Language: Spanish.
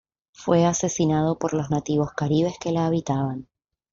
Fue asesinado por los nativos caribes que la habitaban.